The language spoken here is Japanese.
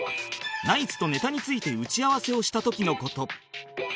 ナイツとネタについて打ち合わせをした時の事